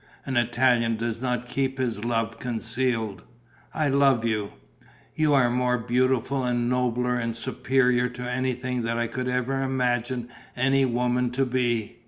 An Italian does not keep his love concealed. I love you. You are more beautiful and nobler and superior to anything that I could ever imagine any woman to be....